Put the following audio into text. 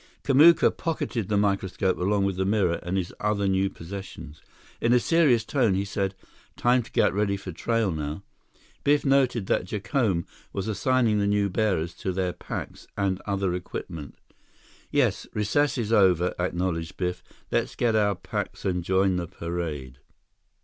Kamuka pocketed the microscope along with the mirror and his other new possessions. In a serious tone, he said, "Time to get ready for trail now." Biff noted that Jacome was assigning the new bearers to their packs and other equipment. "Yes, recess is over," acknowledged Biff. "Let's get our packs and join the parade."